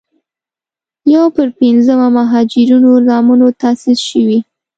یو پر پينځمه مهاجرینو زامنو تاسیس شوې.